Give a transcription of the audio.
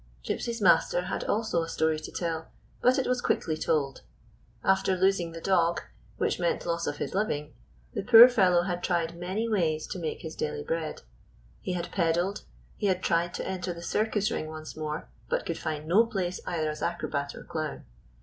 Gypsy's master had also a story to tell, but it was quickly told. After losing the dog — which meant loss of his living — the poor fellow had tried many ways to make his daily bread. He had peddled ; he had tried to enter the circus ring once more, but could find no place either as acrobat or clown.